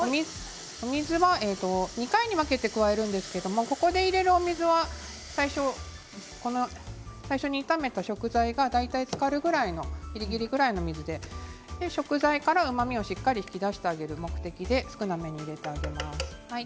お水は２回に分けて加えるんですがここで入れるお水は最初に炒めた食材が大体、つかるぐらいのぎりぎりぐらいで食材からしっかりとうまみを引き出すことを目的に少なめに入れてあげます。